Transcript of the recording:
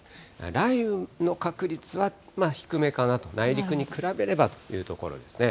雷雨の確率は低めかなと、内陸に比べればというところですね。